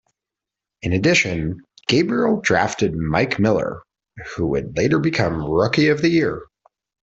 In addition, Gabriel drafted Mike Miller, who would later become Rookie of the Year.